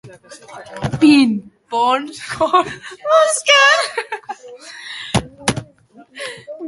Gutxi gorabehera, milioi bat kilometro koadro da luze-zabalean.